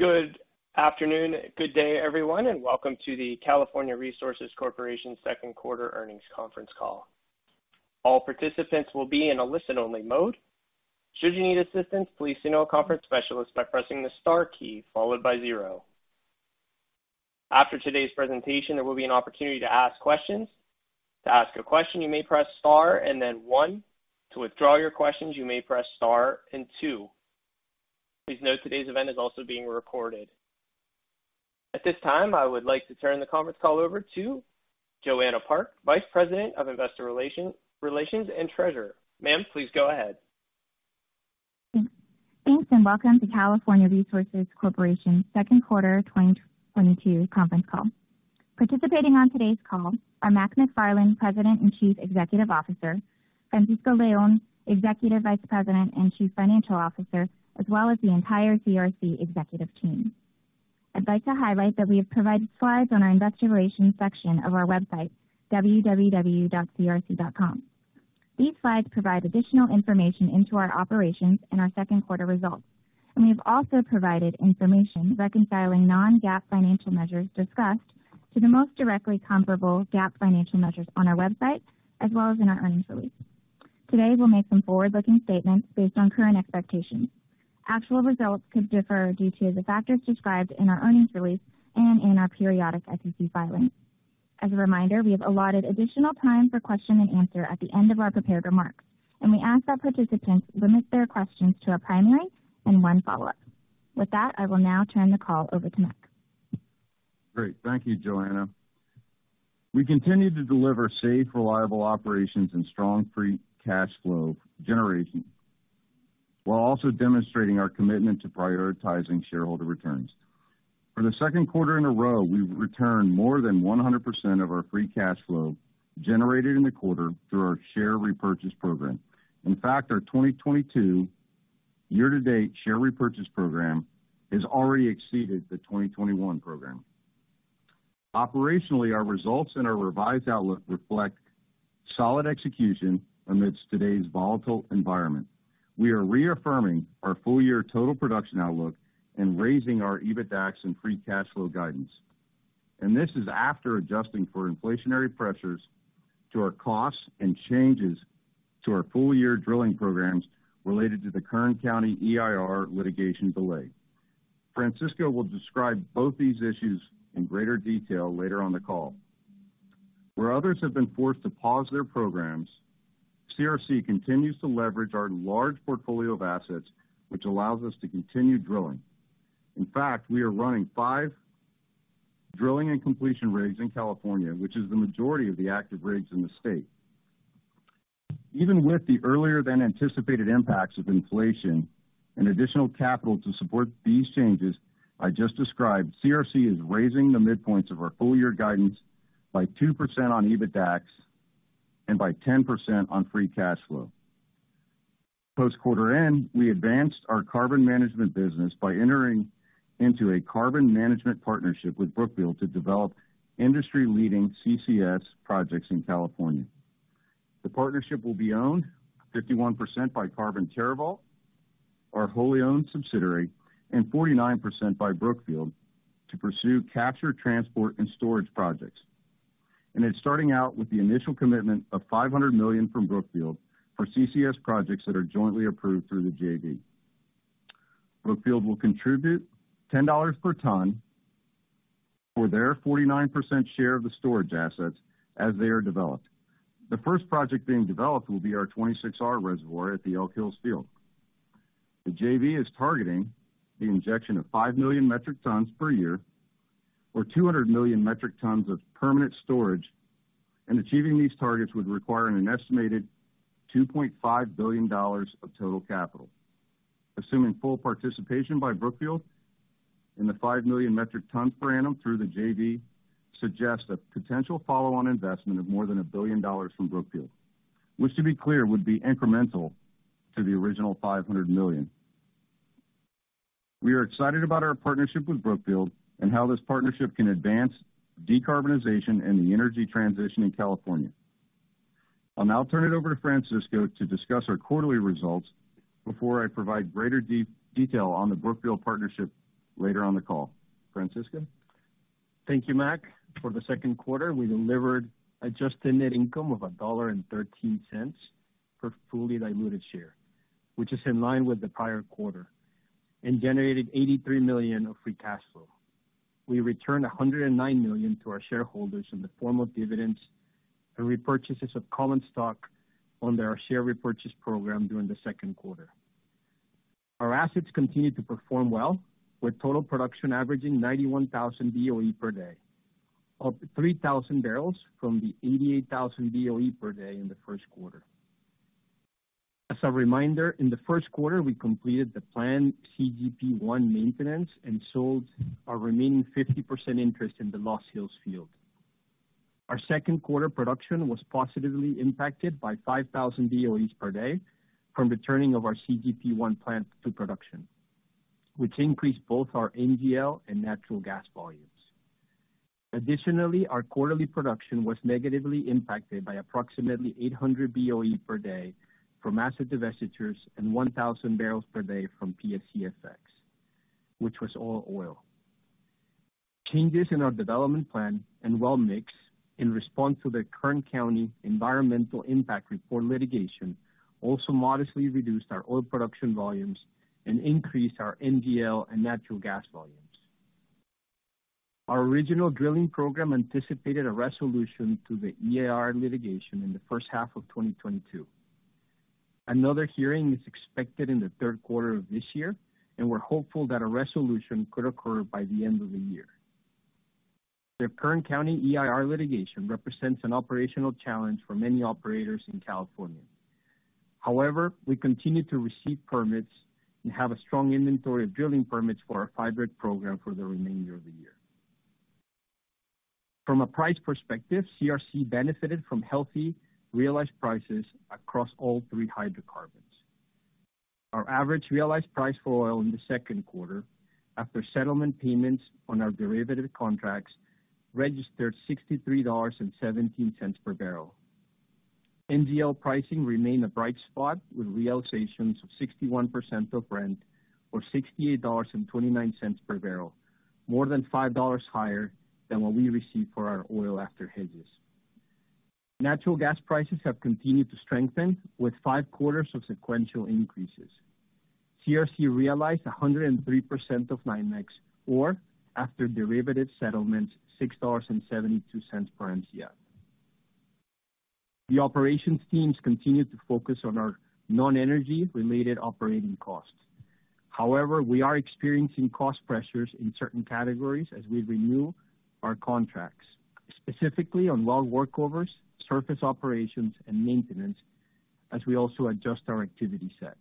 Good afternoon. Good day, everyone, and welcome to the California Resources Corporation Q2 Earnings Conference Call. All participants will be in a listen-only mode. Should you need assistance, please see no conference specialist by pressing the star key followed by zero. After today's presentation, there will be an opportunity to ask questions. To ask a question, you may press star and then one. To withdraw your questions, you may press star and two. Please note today's event is also being recorded. At this time, I would like to turn the conference call over to Joanna Park, Vice President of Investor Relations and Treasurer. Ma'am, please go ahead. Thanks, and welcome to California Resources Corporation Q2 2022 Conference Call. Participating on today's call are Mac McFarland, President and Chief Executive Officer, Francisco Leon, Executive Vice President and Chief Financial Officer, as well as the entire CRC executive team. I'd like to highlight that we have provided slides on our investor relations section of our website, crc.com. These slides provide additional insight into our operations and our Q2 results. We have also provided information reconciling non-GAAP financial measures discussed to the most directly comparable GAAP financial measures on our website as well as in our earnings release. Today, we'll make some forward-looking statements based on current expectations. Actual results could differ due to the factors described in our earnings release and in our periodic SEC filings. As a reminder, we have allotted additional time for question and answer at the end of our prepared remarks, and we ask that participants limit their questions to a primary and one follow-up. With that, I will now turn the call over to Mac. Great. Thank you, Joanna. We continue to deliver safe, reliable operations and strong free cash flow generation, while also demonstrating our commitment to prioritizing shareholder returns. For the Q2 in a row, we've returned more than 100% of our free cash flow generated in the quarter through our share repurchase program. In fact, our 2022 year-to-date share repurchase program has already exceeded the 2021 program. Operationally, our results and our revised outlook reflect solid execution amidst today's volatile environment. We are reaffirming our full-year total production outlook and raising our EBITDAX and free cash flow guidance. This is after adjusting for inflationary pressures to our costs and changes to our full-year drilling programs related to the Kern County EIR litigation delay. Francisco will describe both these issues in greater detail later on the call. Where others have been forced to pause their programs, CRC continues to leverage our large portfolio of assets, which allows us to continue drilling. In fact, we are running five drilling and completion rigs in California, which is the majority of the active rigs in the state. Even with the earlier than anticipated impacts of inflation and additional capital to support these changes I just described, CRC is raising the midpoints of our full-year guidance by 2% on EBITDAX and by 10% on free cash flow. Post quarter end, we advanced our carbon management business by entering into a carbon management partnership with Brookfield to develop industry-leading CCS projects in California. The partnership will be owned 51% by Carbon TerraVault, our wholly owned subsidiary, and 49% by Brookfield to pursue capture, transport, and storage projects. It's starting out with the initial commitment of $500 million from Brookfield for CCS projects that are jointly approved through the JV. Brookfield will contribute $10 per ton for their 49% share of the storage assets as they are developed. The first project being developed will be our 26R reservoir at the Elk Hills field. The JV is targeting the injection of 5 million metric tons per year or 200 million metric tons of permanent storage and achieving these targets would require an estimated $2.5 billion of total capital. Assuming full participation by Brookfield in the 5 million metric tons per annum through the JV suggests a potential follow-on investment of more than $1 billion from Brookfield, which, to be clear, would be incremental to the original $500 million. We are excited about our partnership with Brookfield and how this partnership can advance decarbonization and the energy transition in California. I'll now turn it over to Francisco to discuss our quarterly results before I provide greater detail on the Brookfield partnership later on the call. Francisco. Thank you, Mac. For the Q2, we delivered adjusted net income of $1.13 per fully diluted share, which is in line with the prior quarter, and generated $83 million of free cash flow. We returned $109 million to our shareholders in the form of dividends and repurchases of common stock under our share repurchase program during the Q2. Our assets continued to perform well, with total production averaging 91,000 BOE per day, up 3,000 barrels from the 88,000 BOE per day in the Q1. As a reminder, in the Q1, we completed the planned CGP one maintenance and sold our remaining 50% interest in the Lost Hills field. Our Q2 production was positively impacted by 5,000 BOE per day from the turning on of our CGP1 plant to production, which increased both our NGL and natural gas volumes. Additionally, our quarterly production was negatively impacted by approximately 800 BOE per day from asset divestitures and 1,000 barrels per day from PSC effects, which was all oil. Changes in our development plan and well mix in response to the Kern County environmental impact report litigation also modestly reduced our oil production volumes and increased our NGL and natural gas volumes. Our original drilling program anticipated a resolution to the EIR litigation in the H1 of 2022. Another hearing is expected in the Q3 of this year, and we're hopeful that a resolution could occur by the end of the year. The Kern County EIR litigation represents an operational challenge for many operators in California. However, we continue to receive permits and have a strong inventory of drilling permits for our hybrid program for the remainder of the year. From a price perspective, CRC benefited from healthy realized prices across all three hydrocarbons. Our average realized price for oil in the Q2 after settlement payments on our derivative contracts registered $63.17 per barrel. NGL pricing remained a bright spot, with realizations of 61% of Brent, or $68.29 per barrel, more than $5 higher than what we received for our oil after hedges. Natural gas prices have continued to strengthen with five quarters of sequential increases. CRC realized 103% of NYMEX, or after derivative settlements, $6.72 per MCF. The operations teams continued to focus on our non-energy related operating costs. However, we are experiencing cost pressures in certain categories as we renew our contracts, specifically on well workovers, surface operations and maintenance as we also adjust our activity set.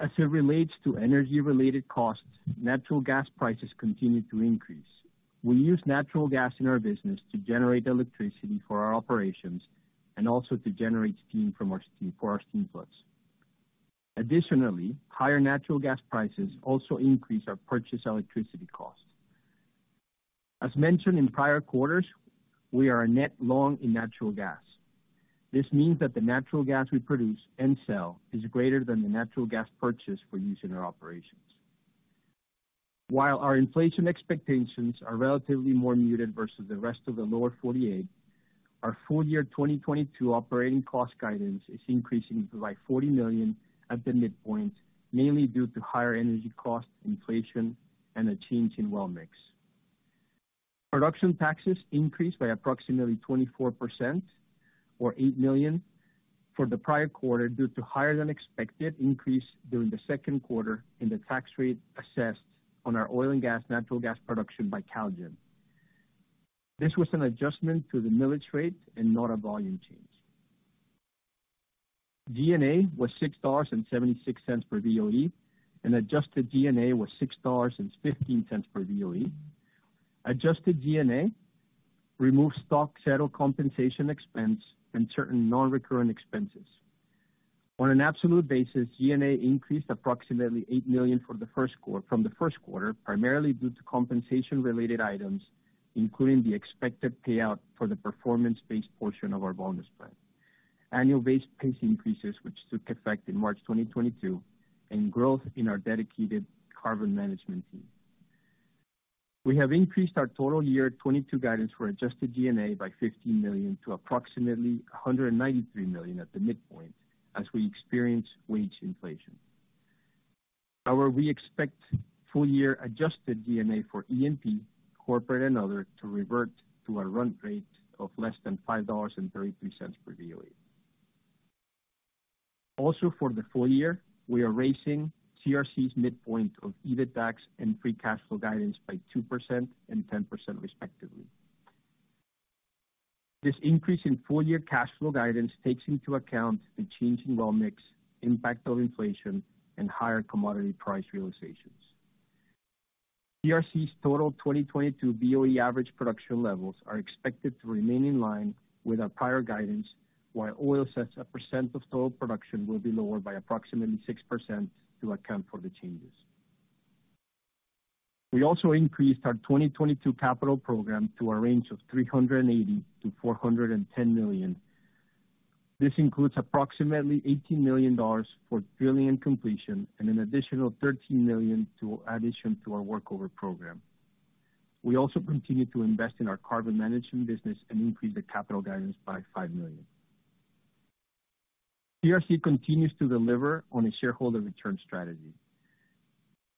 As it relates to energy-related costs, natural gas prices continue to increase. We use natural gas in our business to generate electricity for our operations and also to generate steam for our steam floods. Additionally, higher natural gas prices also increase our purchase electricity cost. As mentioned in prior quarters, we are net long in natural gas. This means that the natural gas we produce and sell is greater than the natural gas purchase for use in our operations. While our inflation expectations are relatively more muted versus the rest of the lower forty-eight, our full-year 2022 operating cost guidance is increasing by $40 million at the midpoint, mainly due to higher energy costs, inflation and a change in well mix. Production taxes increased by approximately 24%, or $8 million for the prior quarter, due to higher than expected increase during the Q2 in the tax rate assessed on our oil and natural gas production by CalGEM. This was an adjustment to the millage rate and not a volume change. G&A was $6.76 per BOE, and adjusted G&A was $6.15 per BOE. Adjusted G&A removed stock-settled compensation expense and certain non-recurring expenses. On an absolute basis, G&A increased approximately $8 million from the Q1, primarily due to compensation related items, including the expected payout for the performance-based portion of our bonus plan, annual base pay increases, which took effect in March 2022, and growth in our dedicated carbon management team. We have increased our total 2022 guidance for adjusted G&A by $15 million to approximately $193 million at the midpoint as we experience wage inflation. However, we expect full-year adjusted G&A for E&P, corporate and other to revert to a run rate of less than $5.33 per BOE. Also, for the full-year, we are raising CRC's midpoint of EBITDAX and free cash flow guidance by 2% and 10% respectively. This increase in full-year cash flow guidance takes into account the change in well mix, impact of inflation and higher commodity price realizations. CRC's total 2022 BOE average production levels are expected to remain in line with our prior guidance, while oil as a percent of total production will be lower by approximately 6% to account for the changes. We also increased our 2022 capital program to a range of $380 million-$410 million. This includes approximately $18 million for drilling and completion and an additional $13 million in addition to our workover program. We also continue to invest in our carbon management business and increase the capital guidance by $5 million. CRC continues to deliver on a shareholder return strategy.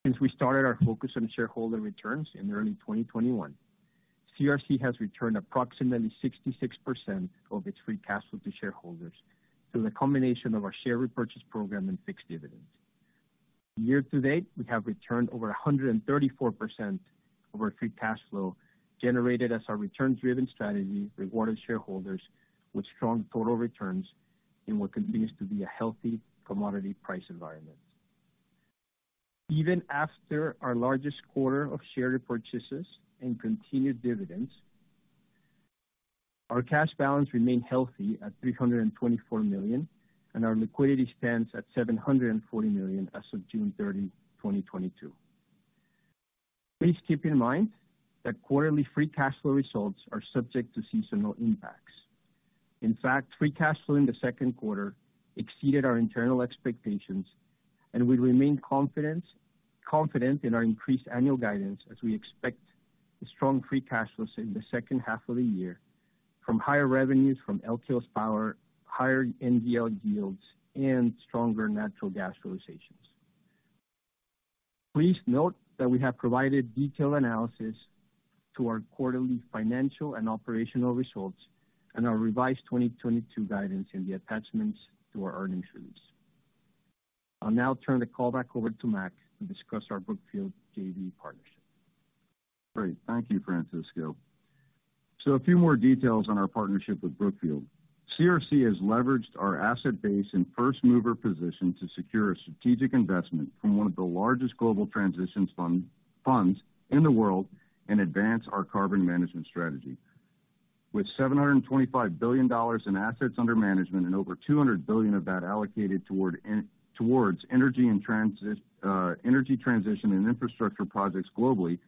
Since we started our focus on shareholder returns in early 2021, CRC has returned approximately 66% of its free cash flow to shareholders through the combination of our share repurchase program and fixed dividends. Year-to-date, we have returned over 134% of our free cash flow generated as our return driven strategy rewarded shareholders with strong total returns in what continues to be a healthy commodity price environment. Even after our largest quarter of share repurchases and continued dividends. Our cash balance remained healthy at $324 million, and our liquidity stands at $740 million as of June 30, 2022. Please keep in mind that quarterly free cash flow results are subject to seasonal impacts. In fact, free cash flow in the Q2 exceeded our internal expectations, and we remain confident in our increased annual guidance as we expect a strong free cash flow in the H2 of the year from higher revenues from Elk Hills Power, higher NGL yields, and stronger natural gas realizations. Please note that we have provided detailed analysis to our quarterly financial and operational results and our revised 2022 guidance in the attachments to our earnings release. I'll now turn the call back over to Mac to discuss our Brookfield JV partnership. Great. Thank you, Francisco. A few more details on our partnership with Brookfield. CRC has leveraged our asset base and first mover position to secure a strategic investment from one of the largest global transition funds in the world and advance our carbon management strategy. With $725 billion in assets under management and over $200 billion of that allocated toward energy transition and infrastructure projects globally,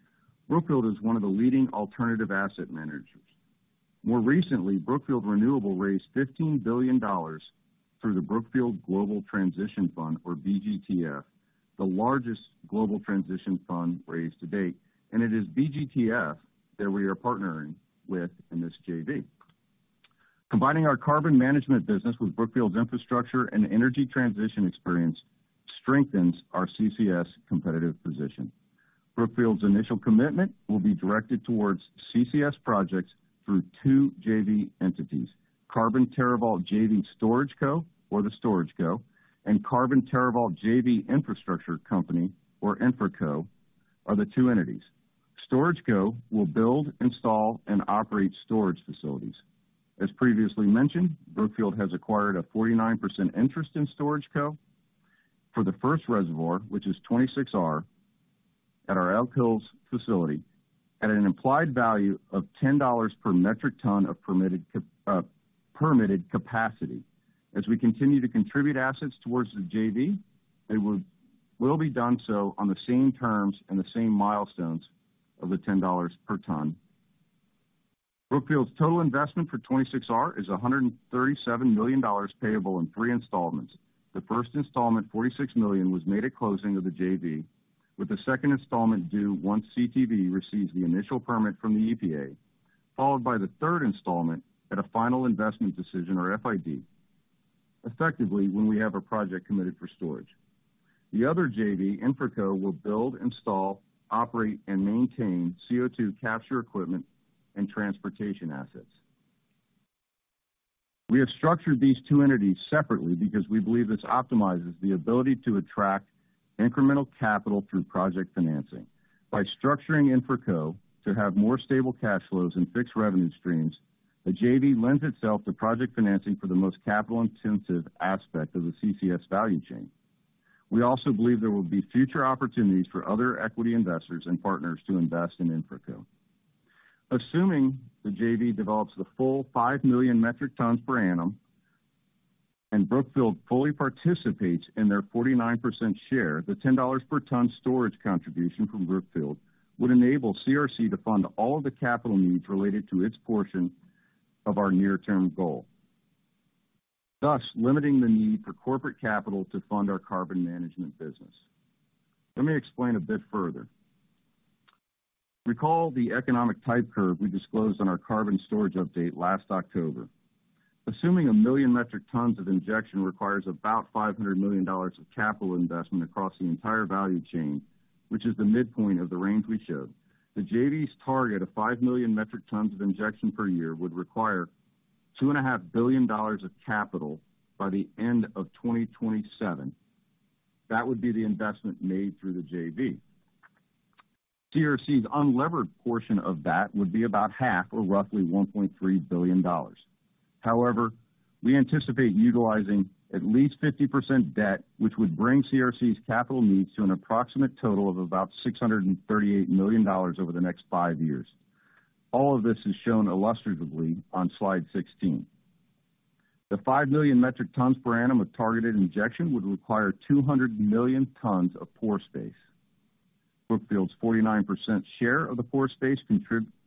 Brookfield is one of the leading alternative asset managers. More recently, Brookfield Renewable raised $15 billion through the Brookfield Global Transition Fund, or BGTF, the largest global transition fund raised to date. It is BGTF that we are partnering with in this JV. Combining our carbon management business with Brookfield's infrastructure and energy transition experience strengthens our CCS competitive position. Brookfield's initial commitment will be directed towards CCS projects through two JV entities, Carbon TerraVault JV Storage Co, or the StorageCo, and Carbon TerraVault JV Infrastructure Company, or InfraCo, are the two entities. StorageCo will build, install, and operate storage facilities. As previously mentioned, Brookfield has acquired a 49% interest in StorageCo for the first reservoir, which is 26R at our Elk Hills facility, at an implied value of $10 per metric ton of permitted capacity. As we continue to contribute assets towards the JV, it will be done so on the same terms and the same milestones of the $10 per ton. Brookfield's total investment for 26R is $137 million payable in three installments. The first installment, $46 million, was made at closing of the JV, with the second installment due once CTV receives the initial permit from the EPA, followed by the third installment at a final investment decision, or FID. Effectively, when we have a project committed for storage. The other JV, InfraCo, will build, install, operate, and maintain CO2 capture equipment and transportation assets. We have structured these two entities separately because we believe this optimizes the ability to attract incremental capital through project financing. By structuring InfraCo to have more stable cash flows and fixed revenue streams, the JV lends itself to project financing for the most capital-intensive aspect of the CCS value chain. We also believe there will be future opportunities for other equity investors and partners to invest in InfraCo. Assuming the JV develops the full 5 million metric tons per annum, and Brookfield fully participates in their 49% share, the $10 per ton storage contribution from Brookfield would enable CRC to fund all of the capital needs related to its portion of our near-term goal, thus limiting the need for corporate capital to fund our carbon management business. Let me explain a bit further. Recall the economic type curve we disclosed on our carbon storage update last October. Assuming 1 million metric tons of injection requires about $500 million of capital investment across the entire value chain, which is the midpoint of the range we showed, the JV's target of 5 million metric tons of injection per year would require $2.5 billion of capital by the end of 2027. That would be the investment made through the JV. CRC's unlevered portion of that would be about half, or roughly $1.3 billion. However, we anticipate utilizing at least 50% debt, which would bring CRC's capital needs to an approximate total of about $638 million over the next five years. All of this is shown illustratively on slide 16. The 5 million metric tons per annum of targeted injection would require 200 million tons of pore space. Brookfield's 49% share of the pore space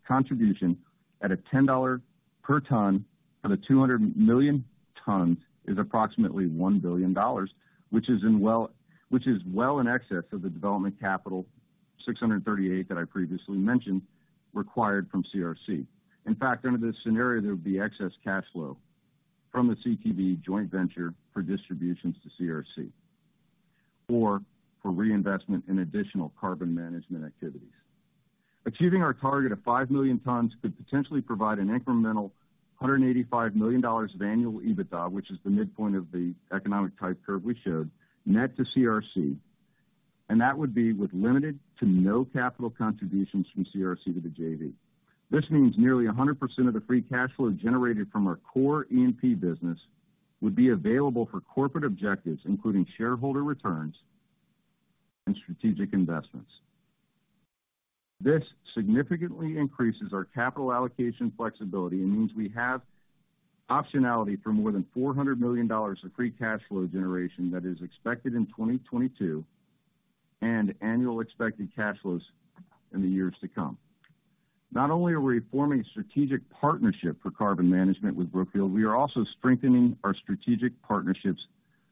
contribution at a $10 per ton of the 200 million tons is approximately $1 billion, which is well in excess of the development capital, $638 million, that I previously mentioned, required from CRC. In fact, under this scenario, there would be excess cash flow from the CTV joint venture for distributions to CRC or for reinvestment in additional carbon management activities. Achieving our target of 5 million tons could potentially provide an incremental $185 million of annual EBITDA, which is the midpoint of the economic type curve we showed, net to CRC, and that would be with limited to no capital contributions from CRC to the JV. This means nearly 100% of the free cash flow generated from our core E&P business would be available for corporate objectives, including shareholder returns and strategic investments. This significantly increases our capital allocation flexibility and means we have optionality for more than $400 million of free cash flow generation that is expected in 2022, and annual expected cash flows in the years to come. Not only are we forming a strategic partnership for carbon management with Brookfield, we are also strengthening our strategic partnerships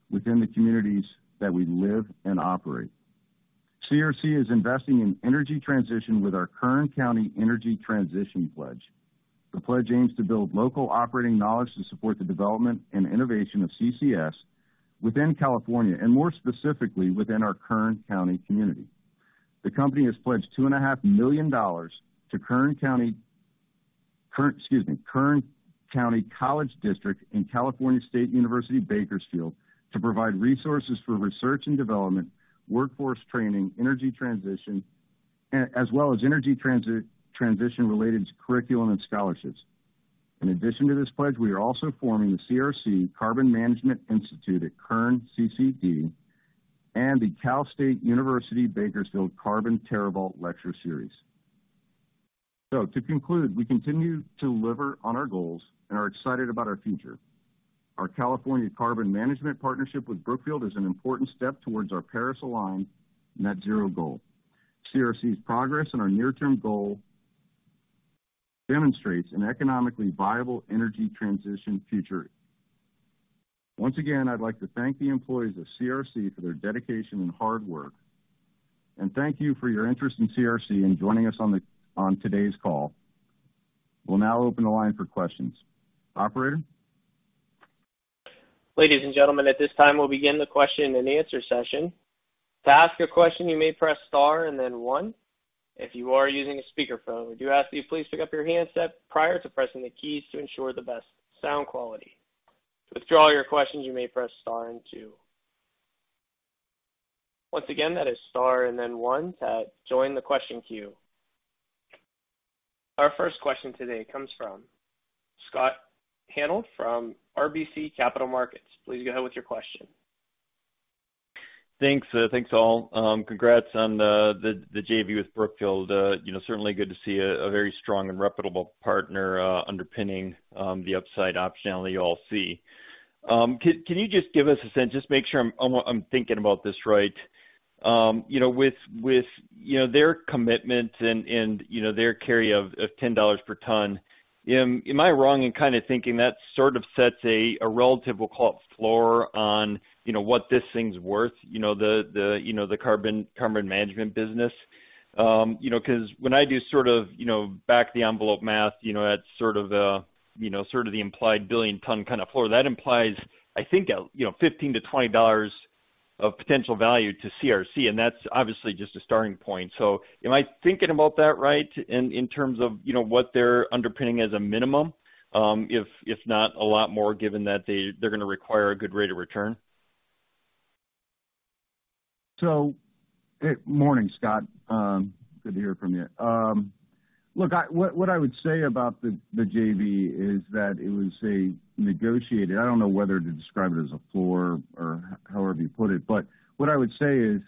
within the communities that we live and operate. CRC is investing in energy transition with our Kern County energy transition pledge. The pledge aims to build local operating knowledge to support the development and innovation of CCS within California, and more specifically, within our Kern County community. The company has pledged $2.5 million to Kern Community College District and California State University, Bakersfield, to provide resources for research and development, workforce training, energy transition, as well as energy transition related to curriculum and scholarships. In addition to this pledge, we are also forming the CRC Carbon Management Institute at Kern CCD and the Cal State University Bakersfield Carbon TerraVault Lecture Series. To conclude, we continue to deliver on our goals and are excited about our future. Our California carbon management partnership with Brookfield is an important step towards our Paris-aligned net zero goal. CRC's progress and our near-term goal demonstrate an economically viable energy transition future. Once again, I'd like to thank the employees of CRC for their dedication and hard work and thank you for your interest in CRC and joining us on today's call. We'll now open the line for questions. Operator? Ladies and gentlemen, at this time, we'll begin the question-and-answer session. To ask a question, you may press star and then one. If you are using a speaker phone, we do ask that you please pick up your handset prior to pressing the keys to ensure the best sound quality. To withdraw your question, you may press star and two. Once again, that is star and then one to join the question queue. Our first question today comes from Scott Hanold from RBC Capital Markets. Please go ahead with your question. Thanks, all. Congrats on the JV with Brookfield. You know, certainly good to see a very strong and reputable partner underpinning the upside optionality you all see. Can you just give us a sense, just make sure I'm thinking about this right. You know, with their commitment and their carry of $10 per ton, am I wrong in kind of thinking that sort of sets a relative, we'll call it floor on what this thing's worth? You know, the carbon management business. You know, 'cause when I do sort of back-of-the-envelope math, you know, that's sort of the implied billion-ton kind of floor. That implies, I think, you know, $15-$20 of potential value to CRC, and that's obviously just a starting point. Am I thinking about that right in terms of, you know, what they're underpinning as a minimum? If not a lot more, given that they're gonna require a good rate of return. Morning, Scott. Good to hear from you. Look, what I would say about the JV is that it was a negotiated. I don't know whether to describe it as a floor or however you put it, but what I would say is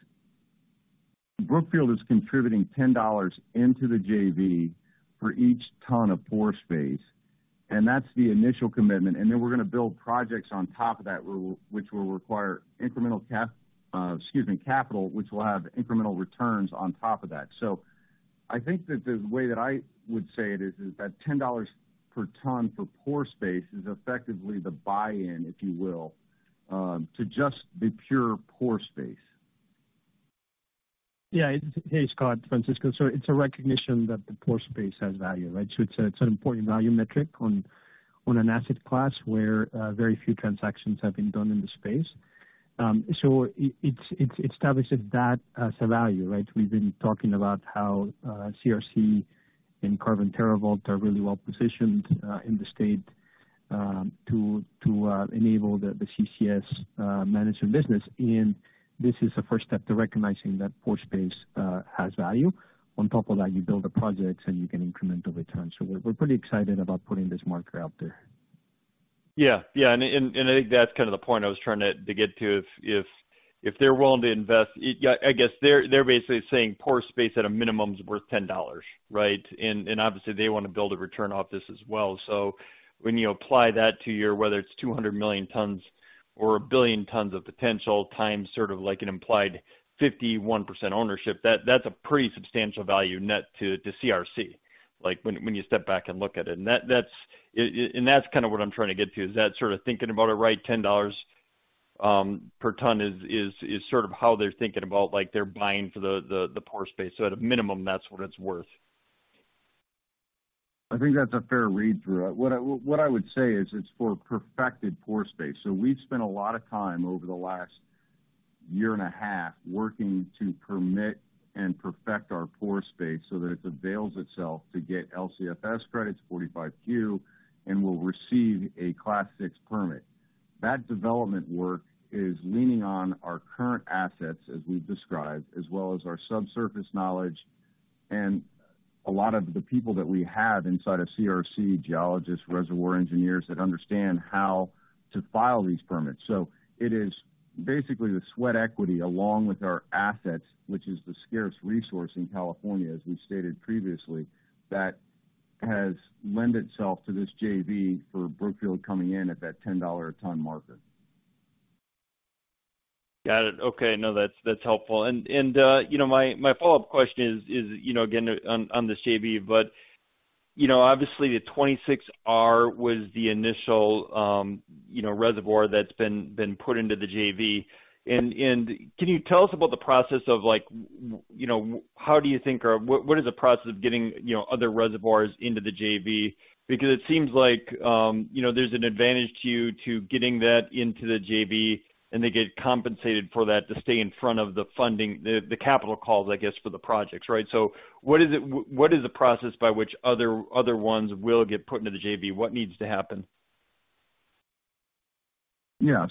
Brookfield is contributing $10 into the JV for each ton of pore space, and that's the initial commitment. Then we're gonna build projects on top of that, which will require incremental capital, which will have incremental returns on top of that. I think that the way that I would say it is that $10 per ton for pore space is effectively the buy-in, if you will, to just the pure pore space. Yeah. Hey, Scott. Francisco. It's a recognition that the pore space has value, right? It's an important value metric on an asset class where very few transactions have been done in the space. It's established that as a value, right? We've been talking about how CRC and Carbon TerraVault are really well positioned in the state to enable the CCS management business. This is the first step to recognizing that pore space has value. On top of that, you build a project, and you get incremental returns. We're pretty excited about putting this marker out there. Yeah. Yeah, and I think that's kind of the point I was trying to get to. If they're willing to invest. I guess they're basically saying pore space at a minimum is worth $10, right? And obviously they wanna build a return off this as well. So when you apply that to your, whether it's 200 million tons or 1 billion tons of potential times sort of like an implied 51% ownership, that's a pretty substantial value net to CRC, like, when you step back and look at it. And that's kind of what I'm trying to get to. Is that sort of thinking about it right, $10 per ton is sort of how they're thinking about, like, they're buying for the pore space. At a minimum, that's what it's worth. I think that's a fair read through. What I would say is it's for perfected pore space. We've spent a lot of time over the last year and a half working to permit and perfect our pore space so that it avails itself to get LCFS credits 45Q and will receive a Class VI permit. That development work is leaning on our current assets as we've described, as well as our subsurface knowledge and a lot of the people that we have inside of CRC, geologists, reservoir engineers that understand how to file these permits. It is basically the sweat equity along with our assets, which is the scarce resource in California, as we stated previously, that has lent itself to this JV for Brookfield coming in at that $10 a ton marker. Got it. Okay. No, that's helpful. You know, my follow-up question is, you know, again on the JV, but you know, obviously the 26R was the initial reservoir that's been put into the JV. Can you tell us about the process of like, you know, what is the process of getting other reservoirs into the JV? Because it seems like, you know, there's an advantage to you to getting that into the JV, and they get compensated for that to stay in front of the funding, the capital calls, I guess, for the projects, right? What is the process by which other ones will get put into the JV? What needs to happen? Yeah.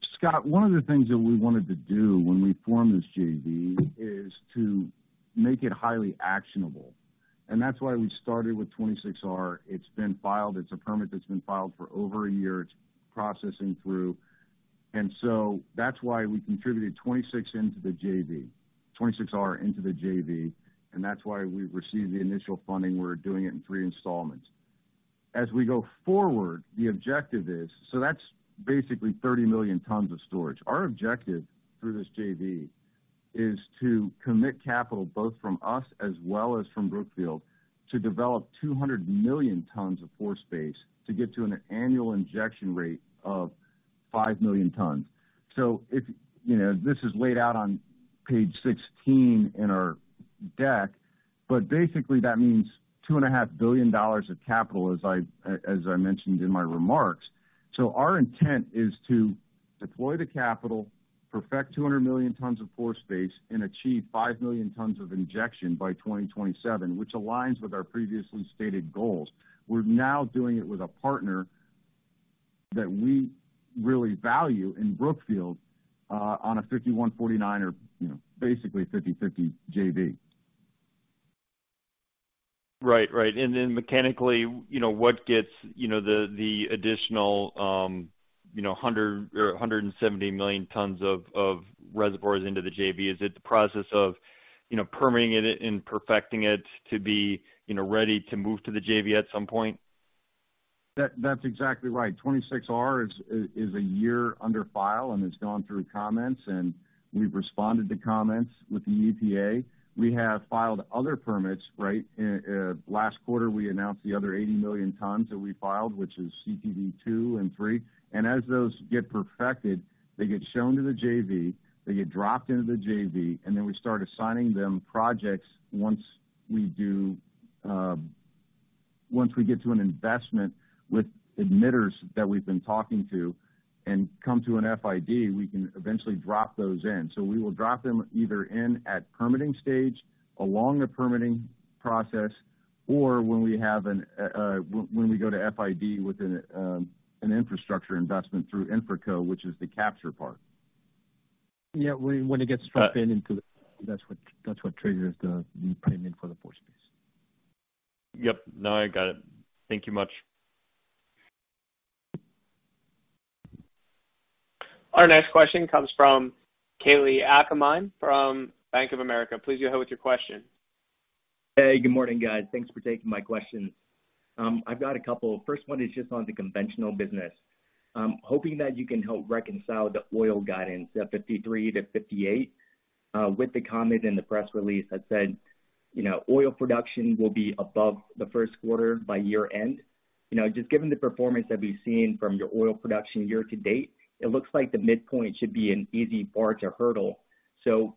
Scott, one of the things that we wanted to do when we formed this JV is to make it highly actionable, and that's why we started with 26R. It's been filed. It's a permit that's been filed for over a year. It's processing through. That's why we contributed 26R into the JV, 26R into the JV, and that's why we've received the initial funding. We're doing it in three installments. As we go forward, the objective is. That's basically 30 million tons of storage. Our objective through this JV is to commit capital, both from us as well as from Brookfield, to develop 200 million tons of pore space to get to an annual injection rate of 5 million tons. If... You know, this is laid out on page 16 in our deck, but basically, that means $2.5 billion of capital, as I mentioned in my remarks. Our intent is to deploy the capital, provide 200 million tons of pore space, and achieve 5 million tons of injection by 2027, which aligns with our previously stated goals. We're now doing it with a partner that we really value in Brookfield, on a 51-49 or, you know, basically a 50/50 JV. Right. Mechanically, you know, what gets, you know, the additional, you know, 100 or 170 million tons of reservoirs into the JV? Is it the process of, you know, permitting it and perfecting it to be, you know, ready to move to the JV at some point? That's exactly right. 26R is a year under file, and it's gone through comments, and we've responded to comments with the EPA. We have filed other permits, right? Last quarter, we announced the other 80 million tons that we filed, which is CTV II and CTV III. As those get perfected, they get shown to the JV, they get dropped into the JV, and then we start assigning them projects once we get to an investment with emitters that we've been talking to and come to an FID, we can eventually drop those in. We will drop them either in at permitting stage, along the permitting process, or when we go to FID with an infrastructure investment through InfraCo, which is the capture part. Yeah. When it gets dropped into the, that's what triggers the payment for the pore space. Yep. No, I got it. Thank you much. Our next question comes from Kalei Akamine from Bank of America. Please go ahead with your question. Hey, good morning, guys. Thanks for taking my questions. I've got a couple. First one is just on the conventional business. I'm hoping that you can help reconcile the oil guidance at 53-58 with the comment in the press release that said, you know, oil production will be above the Q1 by year-end. You know, just given the performance that we've seen from your oil production year-to-date, it looks like the midpoint should be an easy bar to hurdle.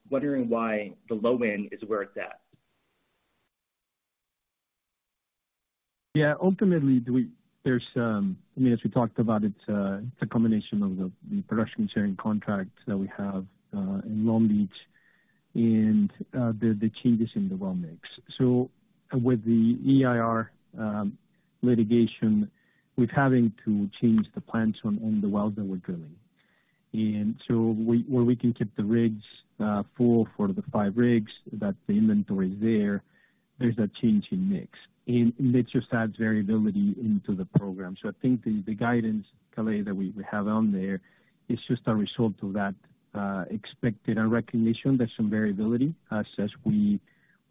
Wondering why the low end is where it's at. Yeah. Ultimately, there's, I mean, as we talked about, it's a combination of the production sharing contracts that we have in Long Beach and the changes in the well mix. With the EIR litigation, we're having to change the plans on the wells that we're drilling. While we can keep the rigs full for the five rigs, that the inventory is there's a change in mix, and it just adds variability into the program. I think the guidance, Kalei, that we have on there is just a result of that expected and recognition. There's some variability as we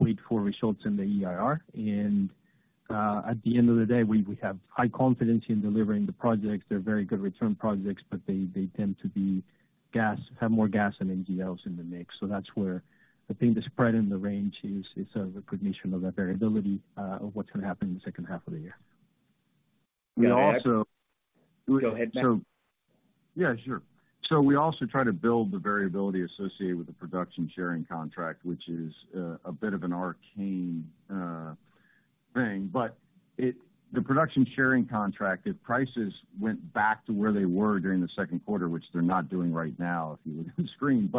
wait for results in the EIR. At the end of the day, we have high confidence in delivering the projects. They're very good return projects, but they tend to have more gas and NGLs in the mix. So that's where I think the spread in the range is a recognition of that variability of what's gonna happen in the H2 of the year. We also- Go ahead, Mac. Yeah, sure. We also try to build the variability associated with the production sharing contract, which is a bit of an arcane thing. The production sharing contract, if prices went back to where they were during the Q2, which they're not doing right now, if you look at the screen.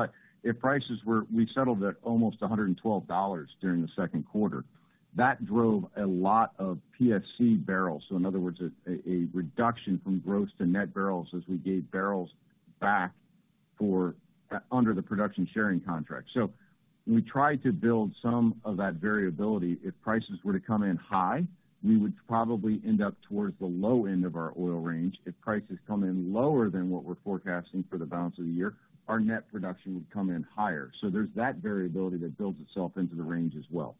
If prices were, we settled at almost $112 during the Q2. That drove a lot of PSC barrels. In other words, a reduction from gross to net barrels as we gave barrels back for under the production sharing contract. We try to build some of that variability. If prices were to come in high, we would probably end up towards the low end of our oil range. If prices come in lower than what we're forecasting for the balance of the year, our net production would come in higher. There's that variability that builds itself into the range as well.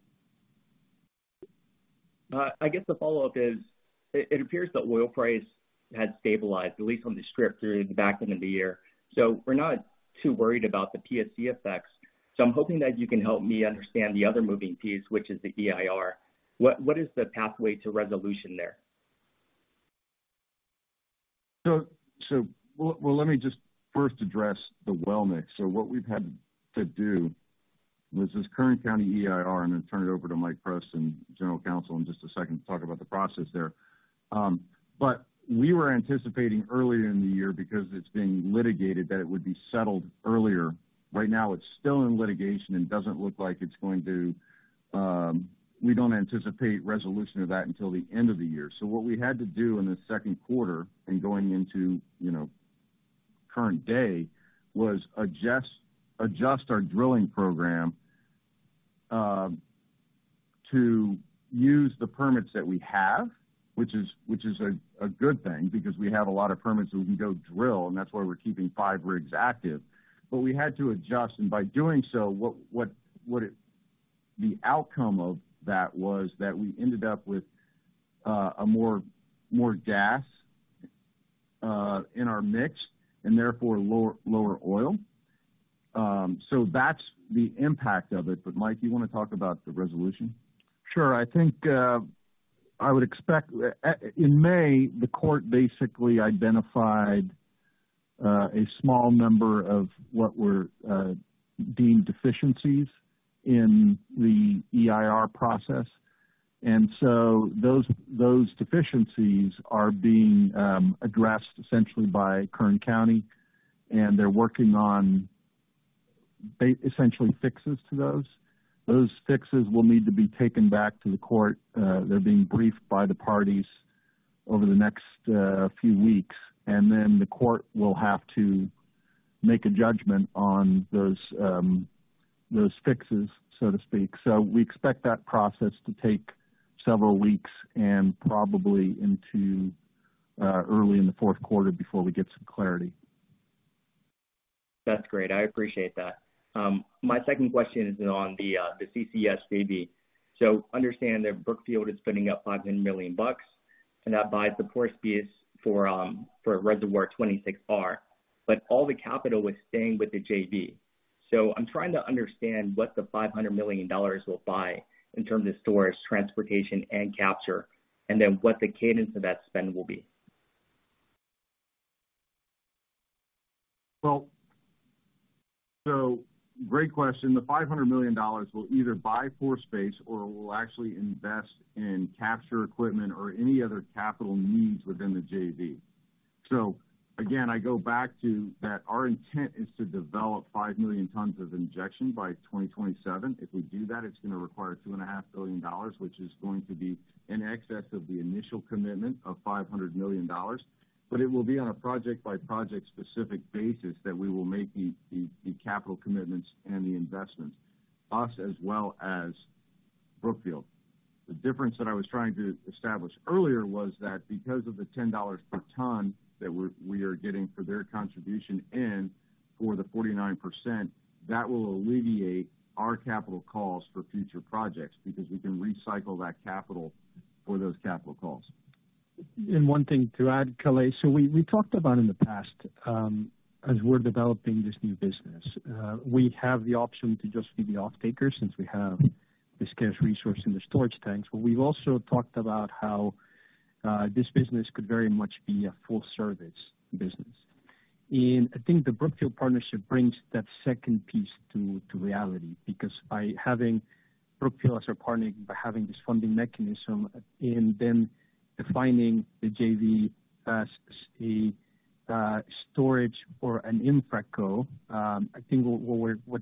I guess the follow-up is, it appears that oil price had stabilized, at least on the strip through the back end of the year. We're not too worried about the PSC effects. I'm hoping that you can help me understand the other moving piece, which is the EIR. What is the pathway to resolution there? Let me just first address the well mix. What we've had to do was this Kern County EIR, and then turn it over to Mike Preston, General Counsel, in just a second to talk about the process there. But we were anticipating earlier in the year because it's being litigated, that it would be settled earlier. Right now, it's still in litigation and doesn't look like it's going to. We don't anticipate resolution of that until the end of the year. What we had to do in the Q2 and going into, you know, current day, was adjust our drilling program to use the permits that we have, which is a good thing because we have a lot of permits that we can go drill, and that's why we're keeping five rigs active. We had to adjust, and by doing so, the outcome of that was that we ended up with a more gas in our mix and therefore lower oil. That's the impact of it. Mike, do you wanna talk about the resolution? Sure. I think I would expect in May, the court basically identified a small number of what were deemed deficiencies in the EIR process. Those deficiencies are being addressed essentially by Kern County, and they're working on essentially fixes to those. Those fixes will need to be taken back to the court. They're being briefed by the parties over the next few weeks, and then the court will have to make a judgment on those fixes, so to speak. We expect that process to take several weeks and probably into early in the Q4 before we get some clarity. That's great. I appreciate that. My second question is on the CCS JV. Understand that Brookfield is putting up $500 million, and that buys the pore space for reservoir 26R. But all the capital was staying with the JV. I'm trying to understand what the $500 million will buy in terms of storage, transportation, and capture, and then what the cadence of that spend will be. Great question. The $500 million will either buy pore space or will actually invest in capture equipment or any other capital needs within the JV. Again, I go back to that our intent is to develop 5 million tons of injection by 2027. If we do that, it's gonna require $2.5 billion, which is going to be in excess of the initial commitment of $500 million. It will be on a project-by-project specific basis that we will make the capital commitments and the investments, us as well as Brookfield. The difference that I was trying to establish earlier was that because of the $10 per ton that we are getting for their contribution in for the 49%, that will alleviate our capital costs for future projects because we can recycle that capital for those capital costs. One thing to add, Kalei. We talked about in the past, as we're developing this new business, we have the option to just be the offtaker since we have this scarce resource in the storage tanks. But we've also talked about how, this business could very much be a full-service business. I think the Brookfield partnership brings that second piece to reality because by having Brookfield as our partner, by having this funding mechanism and them defining the JV as a storage or an infra co, I think what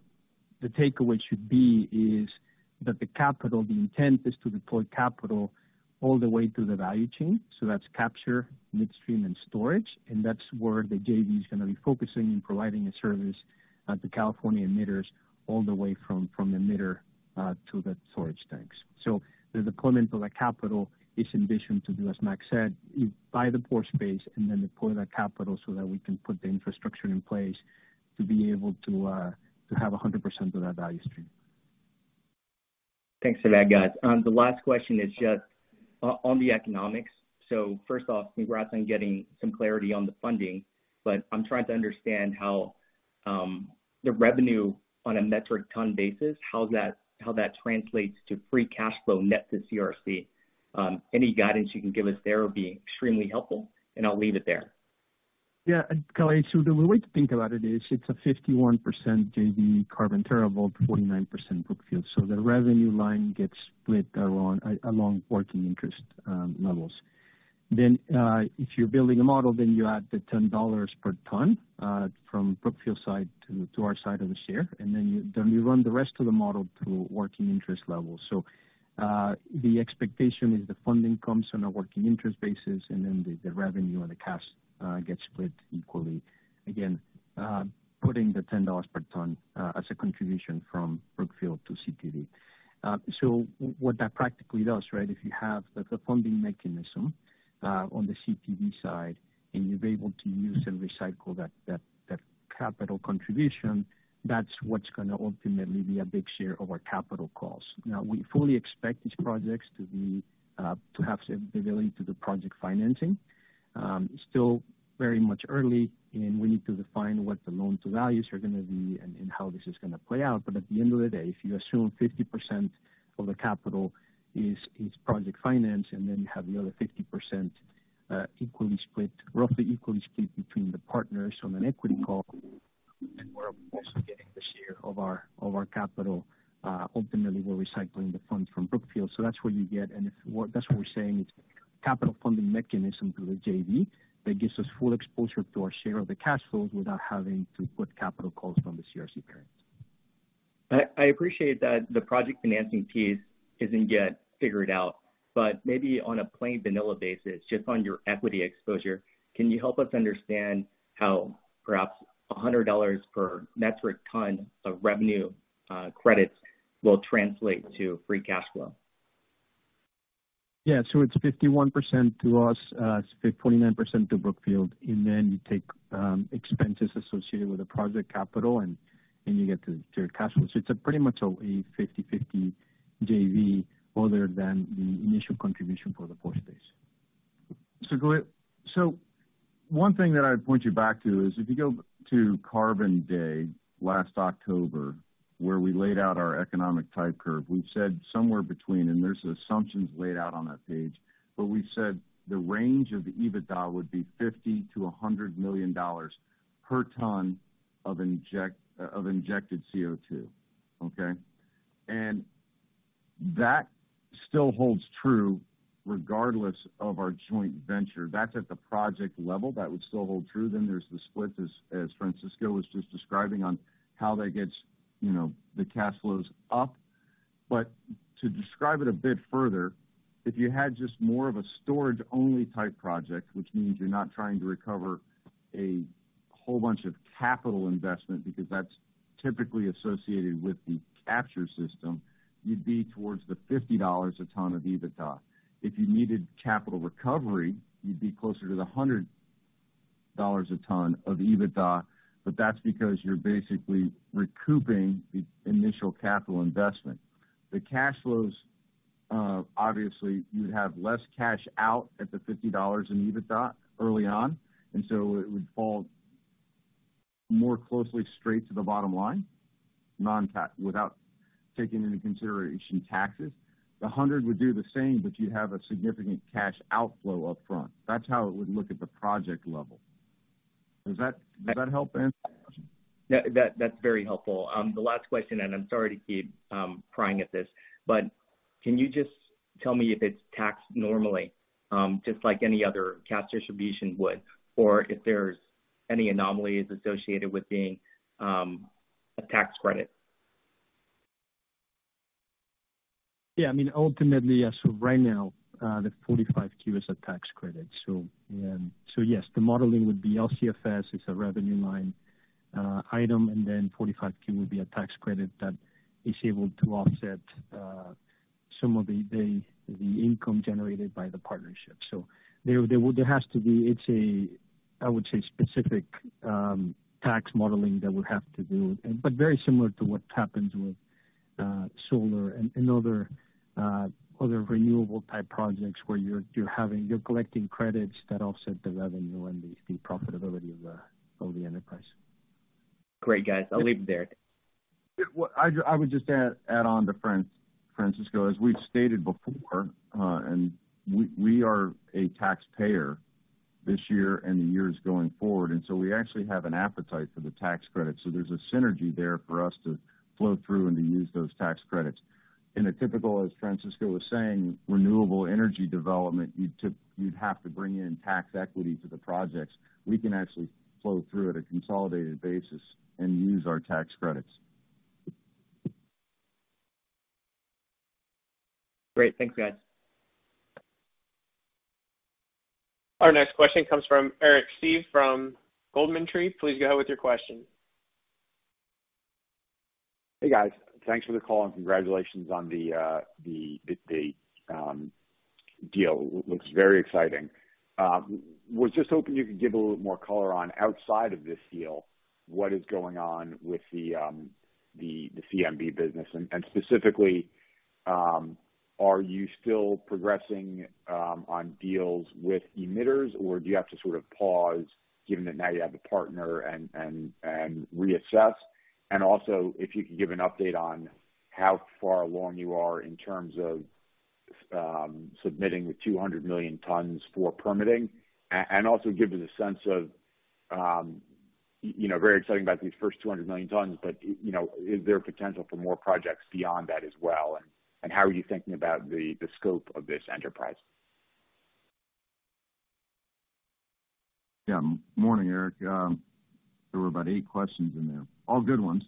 the takeaway should be is that the capital, the intent is to deploy capital all the way through the value chain. That's capture, midstream, and storage. That's where the JV is gonna be focusing in providing a service to California emitters all the way from emitter to the storage tanks. The deployment of that capital is in addition to, as Mac said, you buy the pore space and then deploy that capital so that we can put the infrastructure in place to be able to have 100% of that value stream. Thanks for that, guys. The last question is just on the economics. First off, congrats on getting some clarity on the funding. I'm trying to understand how the revenue on a metric ton basis, how that translates to free cash flow net to CRC. Any guidance you can give us there would be extremely helpful, and I'll leave it there. Kalei. The way to think about it is it's a 51% JV Carbon TerraVault versus 49% Brookfield. The revenue line gets split along working interest levels. If you're building a model, you add the $10 per ton from Brookfield side to our side of the share, and then you run the rest of the model through working interest levels. The expectation is the funding comes on a working interest basis, and then the revenue or the cash gets split equally. Again, putting the $10 per ton as a contribution from Brookfield to CTV. What that practically does, right, if you have the funding mechanism on the CTV side, and you're able to use and recycle that capital contribution, that's what's gonna ultimately be a big share of our capital costs. We fully expect these projects to have sensibility to the project financing. Still very much early, and we need to define what the loan to values are gonna be and how this is gonna play out. At the end of the day, if you assume 50% of the capital is project finance, and then you have the other 50%, equally split, roughly equally split between the partners on an equity call, then we're obviously getting the share of our capital, ultimately, we're recycling the funds from Brookfield. That's where you get. That's what we're saying, it's capital funding mechanism through the JV that gives us full exposure to our share of the cash flows without having to put capital costs from the CRC parents. I appreciate that the project financing piece isn't yet figured out, but maybe on a plain vanilla basis, just on your equity exposure, can you help us understand how perhaps $100 per metric ton of revenue credits will translate to free cash flow? It's 51% to us; it's 49% to Brookfield. Then you take expenses associated with the project capital and you get the cash flows. It's pretty much a 50/50 JV other than the initial contribution for the first phase. One thing that I'd point you back to is if you go to Carbon Day last October, where we laid out our economic type curve, we said somewhere between, and there's assumptions laid out on that page, but we said the range of EBITDA would be $50 million-$100 million per ton of injected CO2. Okay. That still holds true regardless of our joint venture. That's at the project level. That would still hold true. There's the splits, as Francisco was just describing, on how that gets, you know, the cash flows up. To describe it a bit further, if you had just more of a storage-only type project, which means you're not trying to recover a whole bunch of capital investment because that's typically associated with the capture system, you'd be towards the $50 a ton of EBITDA. If you needed capital recovery, you'd be closer to the $100 a ton of EBITDA, but that's because you're basically recouping the initial capital investment. The cash flows, obviously you'd have less cash out at the $50 in EBITDA early on, and so it would fall more closely straight to the bottom line, without taking into consideration taxes. The $100 would do the same, but you'd have a significant cash outflow up front. That's how it would look at the project level. Does that help answer the question? Yeah. That's very helpful. The last question, and I'm sorry to keep prying at this, but can you just tell me if it's taxed normally, just like any other cash distribution would, or if there's any anomalies associated with being a tax credit? Yeah. I mean, ultimately, as of right now, the 45Q is a tax credit. Yes, the modeling would be LCFS is a revenue line item, and then 45Q would be a tax credit that is able to offset some of the income generated by the partnership. There has to be. It's a, I would say, specific tax modeling that we'll have to do, but very similar to what happens with solar and other renewable type projects where you're collecting credits that offset the revenue and the profitability of the enterprise. Great, guys. I'll leave it there. Well, I would just add on to Francisco. As we've stated before, and we are a taxpayer this year and the years going forward, and so we actually have an appetite for the tax credit. There's a synergy there for us to flow through and to use those tax credits. In a typical, as Francisco was saying, renewable energy development, you'd have to bring in tax equity to the projects. We can actually flow through at a consolidated basis and use our tax credits. Great. Thanks, guys. Our next question comes from Eric Seeve from GoldenTree. Please go ahead with your question. Hey, guys. Thanks for the call, and congratulations on the deal. It looks very exciting. Was just hoping you could give a little more color on outside of this deal, what is going on with the CMB business? And specifically, are you still progressing on deals with emitters, or do you have to sort of pause given that now you have a partner and reassess? And also, if you could give an update on how far along you are in terms of submitting the 200 million tons for permitting, and also give us a sense of, you know, very exciting about these first 200 million tons, but, you know, is there potential for more projects beyond that as well? And how are you thinking about the scope of this enterprise? Yeah. Morning, Eric. There were about eight questions in there. All good ones.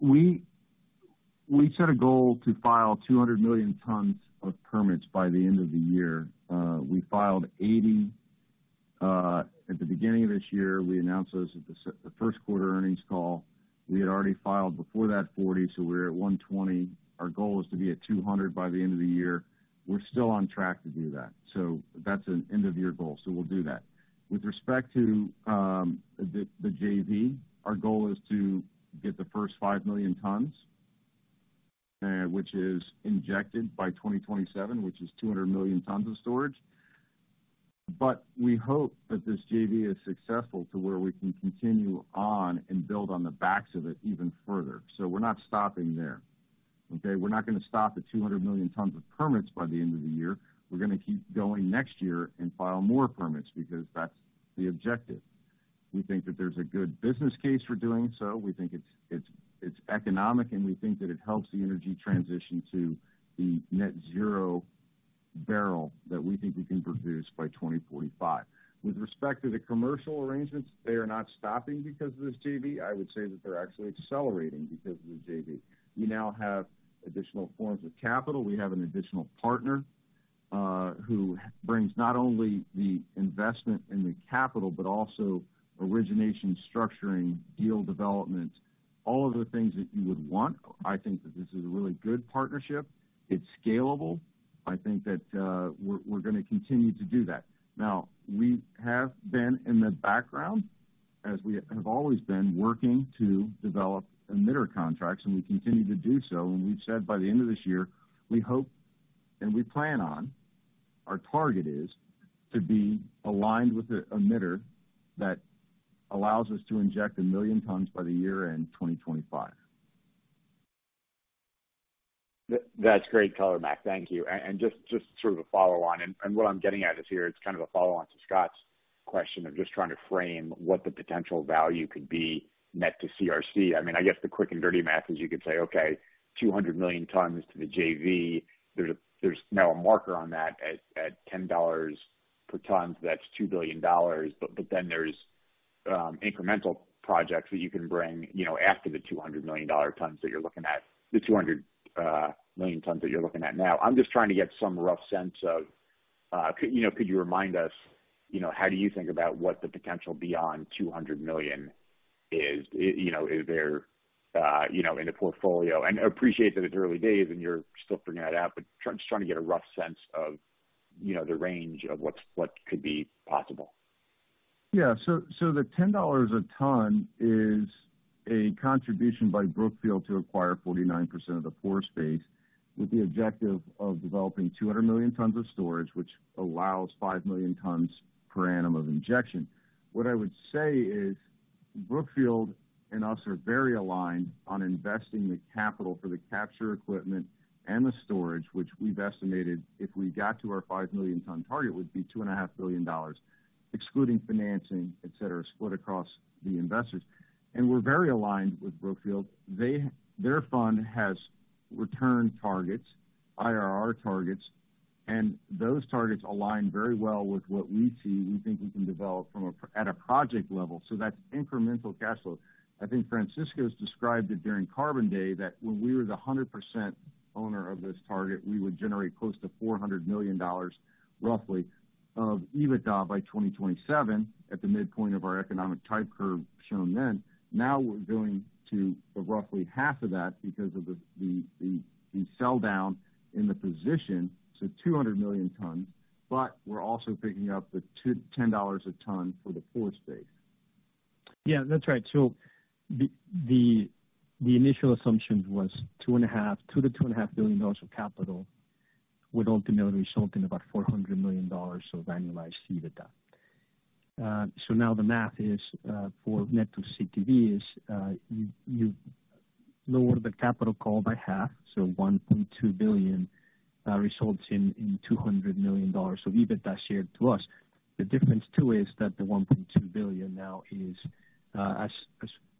We set a goal to file 200 million tons of permits by the end of the year. We filed 80 at the beginning of this year. We announced those at the Q1 Earnings Call. We had already filed before that 40, so we're at 120. Our goal is to be at 200 by the end of the year. We're still on track to do that. That's an end of year goal, so we'll do that. With respect to the JV, our goal is to get the first 5 million tons which is injected by 2027, which is 200 million tons of storage. We hope that this JV is successful to where we can continue on and build on the backs of it even further. We're not stopping there, okay? We're not gonna stop at 200 million tons of permits by the end of the year. We're gonna keep going next year and file more permits because that's the objective. We think that there's a good business case for doing so. We think it's economic, and we think that it helps the energy transition to the net zero barrel that we think we can produce by 2045. With respect to the commercial arrangements, they are not stopping because of this JV. I would say that they're actually accelerating because of the JV. We now have additional forms of capital. We have an additional partner who brings not only the investment and the capital, but also origination structuring, deal development, all of the things that you would want. I think that this is a really good partnership. It's scalable. I think that we're gonna continue to do that. Now, we have been in the background, as we have always been, working to develop emitter contracts, and we continue to do so. We've said by the end of this year, we hope and we plan on. Our target is to be aligned with the emitter that allows us to inject 1 million tons by year-end 2025. That's great color, Mac. Thank you. Just sort of a follow on, and what I'm getting at is here, it's kind of a follow on to Scott's question. I'm just trying to frame what the potential value could be net to CRC. I mean, I guess the quick and dirty math is you could say, okay, 200 million tons to the JV. There's now a marker on that at $10 per ton. That's $2 billion. But then there's incremental projects that you can bring, you know, after the 200 million tons that you're looking at now. I'm just trying to get some rough sense of could you remind us, you know, how do you think about what the potential beyond 200 million is? You know, is there, you know, in the portfolio. I appreciate that it's early days and you're still figuring that out, but just trying to get a rough sense of, you know, the range of what's, what could be possible. The $10 a ton is a contribution by Brookfield to acquire 49% of the pore space with the objective of developing 200 million tons of storage, which allows 5 million tons per annum of injection. What I would say is Brookfield and we are very aligned on investing the capital for the capture equipment and the storage, which we've estimated if we got to our 5-million-ton target, would be $2.5 billion, excluding financing, et cetera, split across the investors. We're very aligned with Brookfield. Their fund has return targets, IRR targets, and those targets align very well with what we see we think we can develop from a project level. That's incremental cash flow. I think Francisco's described it during Carbon Day that when we were the 100% owner of this target, we would generate close to $400 million, roughly, of EBITDA by 2027 at the midpoint of our economic type curve shown then. Now we're going to roughly half of that because of the sell down in the position to 200 million tons, but we're also picking up the $10 a ton for the pore space. Yeah, that's right. The initial assumption was $2-$2.5 billion of capital would ultimately result in about $400 million of annualized EBITDA. Now the math is for net to CTV. You lower the capital call by half, so $1.2 billion results in $200 million of EBITDA shared to us. The difference too is that the $1.2 billion now is as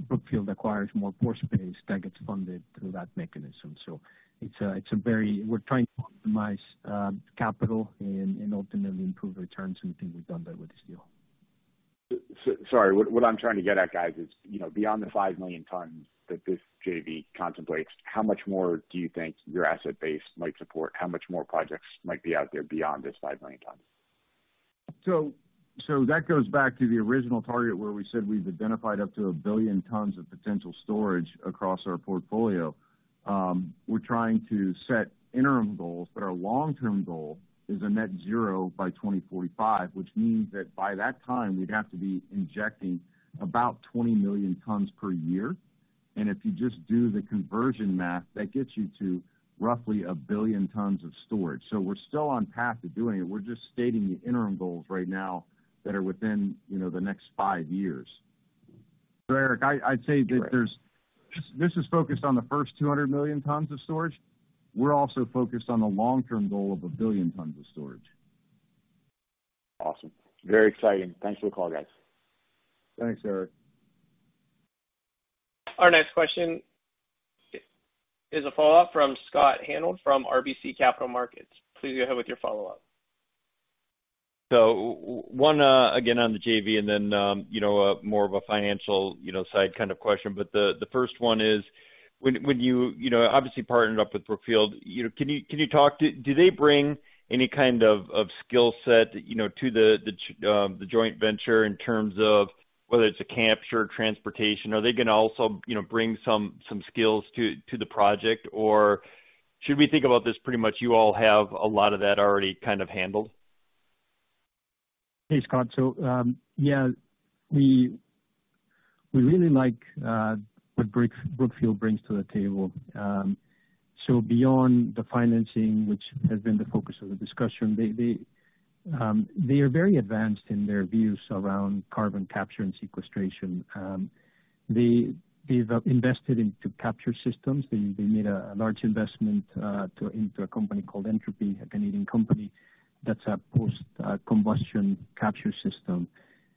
Brookfield acquires more pore space, that gets funded through that mechanism. We're trying to optimize capital and ultimately improve returns, and I think we've done that with this deal. Sorry, what I'm trying to get at, guys, is, you know, beyond the 5 million tons that this JV contemplates, how much more do you think your asset base might support? How much more projects might be out there beyond these 5 million tons? That goes back to the original target where we said we've identified up to 1 billion tons of potential storage across our portfolio. We're trying to set interim goals, but our long-term goal is net zero by 2045, which means that by that time, we'd have to be injecting about 20 million tons per year. If you just do the conversion math, that gets you to roughly 1 billion tons of storage. We're still on path to doing it. We're just stating the interim goals right now that are within, you know, the next five years. Eric, I'd say that this is focused on the first 200 million tons of storage. We're also focused on the long-term goal of 1 billion tons of storage. Awesome. Very exciting. Thanks for the call, guys. Thanks, Eric. Our next question is a follow-up from Scott Hanold from RBC Capital Markets. Please go ahead with your follow-up. One, again, on the JV and then, you know, a more of a financial, you know, side kind of question. The first one is when you obviously partnered up with Brookfield, you know, can you talk to do they bring any kind of skill set, you know, to the joint venture in terms of whether it's a capture, transportation? Are they gonna also, you know, bring some skills to the project? Or should we think about this pretty much you all have a lot of that already kind of handled? Hey, Scott. Yeah, we really like what Brookfield brings to the table. Beyond the financing, which has been the focus of the discussion, they are very advanced in their views around carbon capture and sequestration. They've invested into capture systems. They made a large investment into a company called Entropy, a Canadian company that's a post combustion capture system.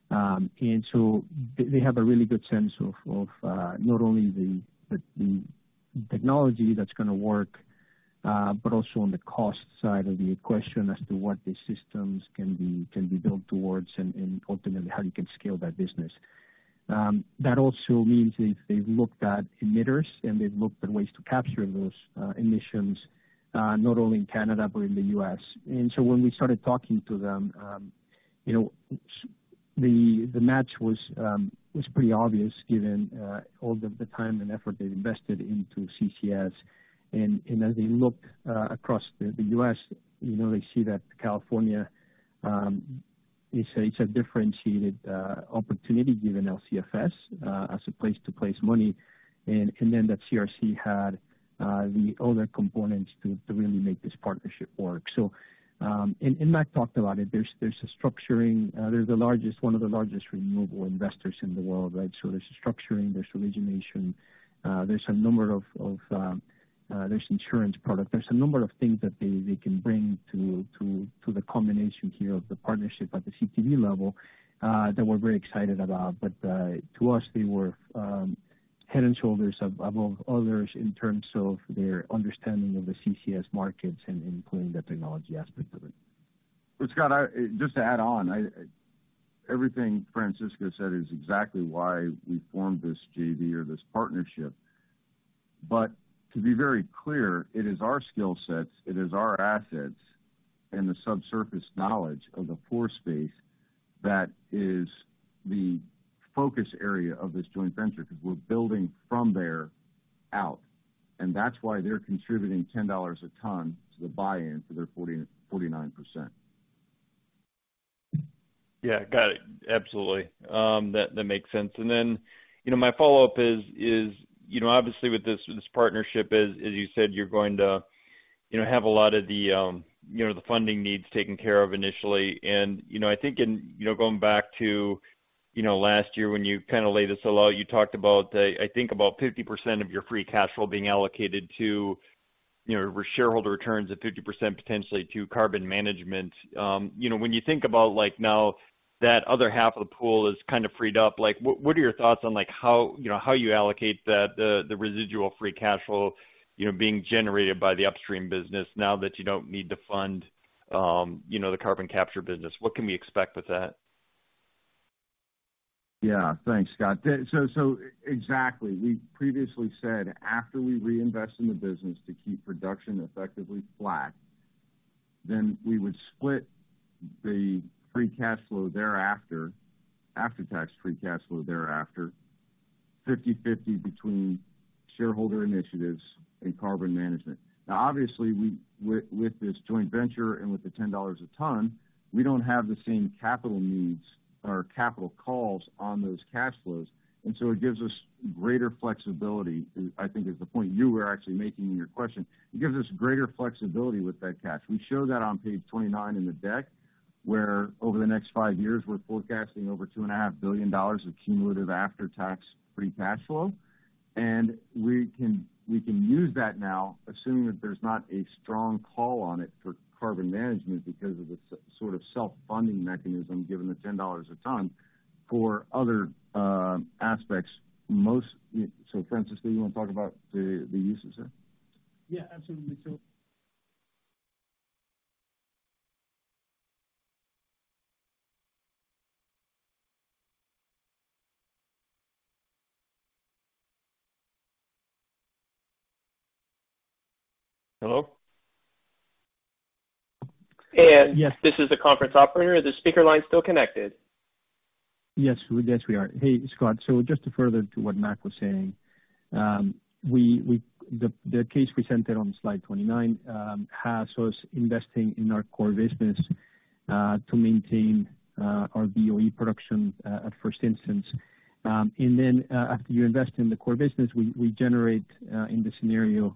They have a really good sense of not only the technology that's gonna work, but also on the cost side of the equation as to what the systems can be built towards and ultimately how you can scale that business. That also means they've looked at emitters, and they've looked at ways to capture those emissions, not only in Canada, but in the US. When we started talking to them, you know, the match was pretty obvious given all the time and effort they've invested into CCS. As they look across the US, you know, they see that California is a differentiated opportunity given LCFS as a place to place money. Then that CRC had the other components to really make this partnership work. Mac talked about it. There's a structuring. They're one of the largest renewable investors in the world, right? There's structuring, there's origination, there's a number of insurance product. There's a number of things that they can bring to the combination here of the partnership at the CTV level, that we're very excited about. To us, they were head and shoulders above others in terms of their understanding of the CCS markets and including the technology aspect of it. Well, Scott, just to add on. Everything Francisco said is exactly why we formed this JV or this partnership. But to be very clear, it is our skill sets, it is our assets, and the subsurface knowledge of the pore space that is the focus area of this joint venture because we're building from there out. That's why they're contributing $10 a ton to the buy-in for their 49%. Yeah, got it. Absolutely. That makes sense. Then, you know, my follow-up is, you know, obviously with this partnership, as you said, you're going to, you know, have a lot of the, you know, the funding needs taken care of initially. You know, I think in, you know, going back to, you know, last year when you kind of laid this all out, you talked about, I think about 50% of your free cash flow being allocated to, you know, return to shareholder returns and 50% potentially to carbon management. You know, when you think about like now that other half of the pool is kind of freed up, like what are your thoughts on like how, you know, how you allocate the residual free cash flow, you know, being generated by the upstream business now that you don't need to fund, you know, the carbon capture business? What can we expect with that? Yeah. Thanks, Scott. Exactly. We previously said after we reinvest in the business to keep production effectively flat, then we would split the free cash flow thereafter, after-tax free cash flow thereafter, 50/50 between shareholder initiatives and carbon management. Now, obviously, with this joint venture and with the $10 a ton, we don't have the same capital needs or capital calls on those cash flows, and so it gives us greater flexibility. I think is the point you were actually making in your question. It gives us greater flexibility with that cash. We show that on page 29 in the deck, where over the next five years, we're forecasting over $2.5 billion of cumulative after-tax free cash flow. We can use that now, assuming that there's not a strong call on it for carbon management because of the sort of self-funding mechanism, given the $10 a ton for other aspects, most. So, Francisco, you wanna talk about the uses there? Yeah, absolutely. Hello? And- Yes. This is the conference operator. Are the speaker lines still connected? Yes, we are. Hey, Scott. Just to further to what Mac was saying, the case presented on slide 29 has us investing in our core business to maintain our BOE production at first instance. Then, after you invest in the core business, we generate in this scenario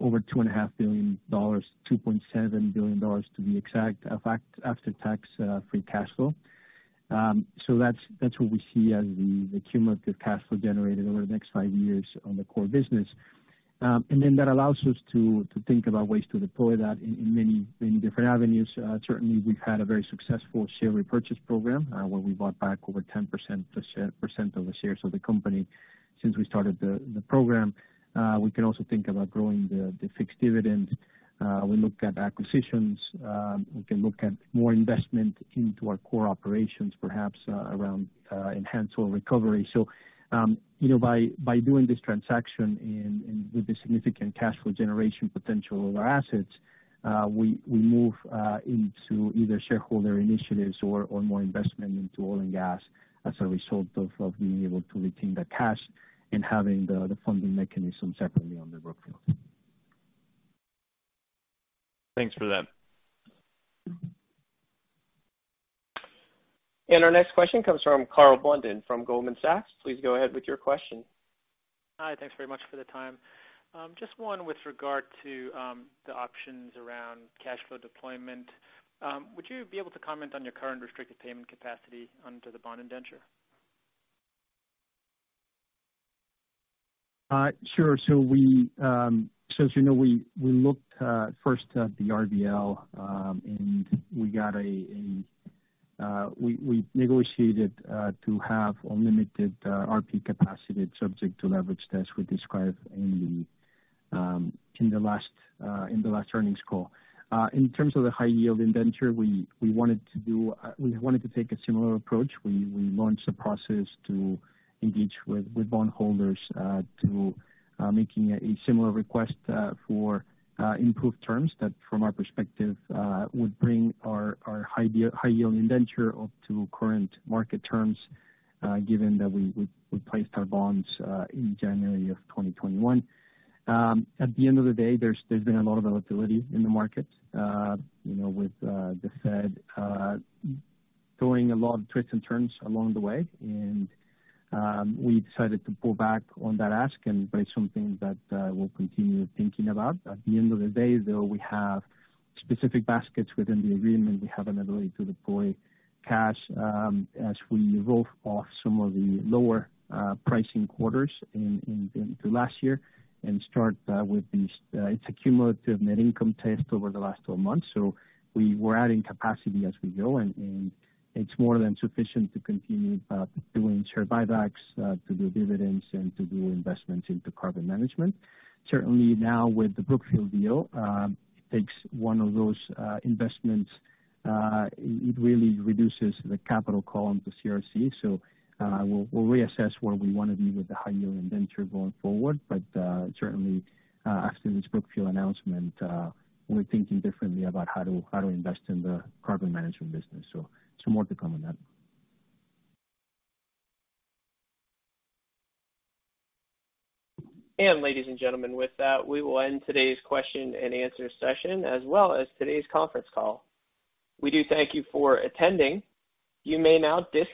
over $2.5 billion, $2.7 billion to be exact. In fact, after tax free cash flow. That's what we see as the cumulative cash flow generated over the next five years on the core business. Then that allows us to think about ways to deploy that in many different avenues. Certainly we've had a very successful share repurchase program, where we bought back over 10% of the shares of the company since we started the program. We can also think about growing the fixed dividend. We looked at acquisitions. We can look at more investment into our core operations, perhaps around enhanced oil recovery. You know, by doing this transaction and with the significant cash flow generation potential of our assets, we move into either shareholder initiatives or more investment into oil and gas as a result of being able to retain the cash and having the funding mechanism separately under Brookfield. Thanks for that. Our next question comes from Karl Blunden from Goldman Sachs. Please go ahead with your question. Hi. Thanks very much for the time. Just one with regard to the options around cash flow deployment. Would you be able to comment on your current restricted payment capacity under the bond indenture? Sure. As you know, we looked first at the RBL and we negotiated to have unlimited RP capacity subject to leverage test we described in the last earnings call. In terms of the high-yield indenture, we wanted to take a similar approach. We launched a process to engage with bondholders to make a similar request for improved terms that from our perspective would bring our high-yield indenture up to current market terms, given that we placed our bonds in January 2021. At the end of the day, there's been a lot of volatility in the market, you know, with the Fed throwing a lot of twists and turns along the way. We decided to pull back on that ask, and that's something that we'll continue thinking about. At the end of the day, though, we have specific baskets within the agreement. We have an ability to deploy cash, as we roll off some of the lower pricing quarters into last year and start with these. It's a cumulative net income test over the last 12 months, so we're adding capacity as we go. It's more than sufficient to continue doing share buybacks, to do dividends, and to do investments into carbon management. Certainly now with the Brookfield deal, it takes one of those investments. It really reduces the capital call on CRC. We'll reassess where we wanna be with the high yield indenture going forward. Certainly, after this Brookfield announcement, we're thinking differently about how to invest in the carbon management business. Some more to come on that. Ladies and gentlemen, with that, we will end today's question and answer session, as well as today's conference call. We do thank you for attending. You may now disconnect.